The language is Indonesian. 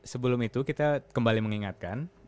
sebelum itu kita kembali mengingatkan